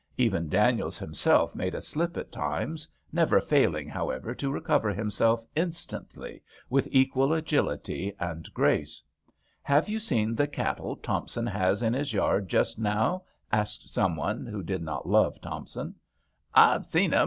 Even Daniels himself made a slip at times, never failing however to recover himself instantly with equal agility and grace. " Have you seen the cattle Thompson has in his yard just now ?" asked someone who did not love Thompson. Fve a seen 'um !